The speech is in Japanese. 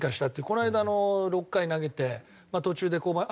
この間６回投げて途中で降板。